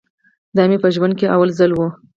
دا مې په ژوند کښې اول ځل و.